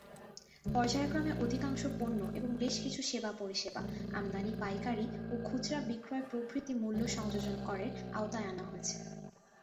পর্যায়ক্রমে অধিকাংশ পণ্য এবং বেশ কিছু সেবা-পরিষেবা, আমদানী, পাইকারী ও খুচরা বিক্রয় প্রভৃতি মূল্য সংযোজন করের আওতায় আনা হয়েছে।